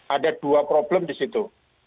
ada dua problem di situ